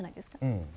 うん。